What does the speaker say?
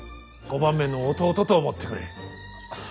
５番目の弟と思ってくれ。